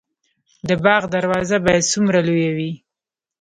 د باغ دروازه باید څومره لویه وي؟